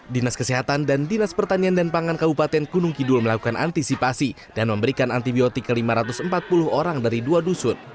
dinas kesehatan dan dinas pertanian dan pangan kabupaten gunung kidul melakukan antisipasi dan memberikan antibiotik ke lima ratus empat puluh orang dari dua dusun